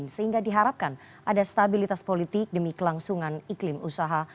sehingga diharapkan ada stabilitas politik demi kelangsungan iklim usaha